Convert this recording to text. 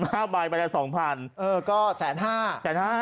เบาไหมคะเรานั่งบวกรบคุณห่านกันอยู่๗๕ใบไปละ๒๐๐๐